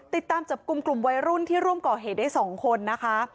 ติดตามจับกลุ่มกลุ่มวัยรุ่นที่ร่วมก่อเหตุได้๒คนนะคะ